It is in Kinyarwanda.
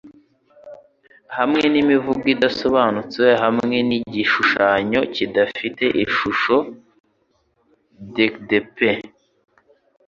Hamwe nimivugo idasobanutse hamwe nigishushanyo kidafite ishusho dec'd pe